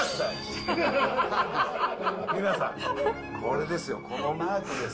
皆さん、これですよ、このマークです。